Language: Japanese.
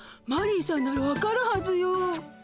マリーさんなら分かるはずよ。